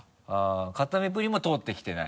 固めプリンも通ってきてない？